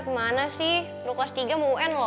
kemana sih lu kelas tiga mau un loh